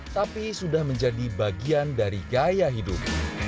tapi sudah menjadi bagian dari gaya hidup